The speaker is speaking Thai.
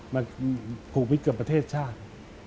มาผูกวิทย์กับประเทศชาติ